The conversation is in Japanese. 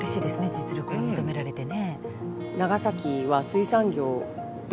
実力が認められてね。